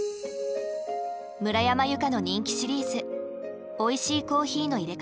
村山由佳の人気シリーズ「おいしいコーヒーのいれ方」。